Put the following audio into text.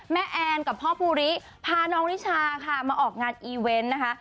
แอนกับพ่อภูริพาน้องนิชาค่ะมาออกงานอีเวนต์นะคะ